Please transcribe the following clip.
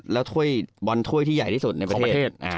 แล้วถ้วยบอลถ้วยที่ใหญ่ที่สุดในประเทศ